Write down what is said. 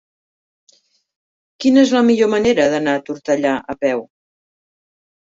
Quina és la millor manera d'anar a Tortellà a peu?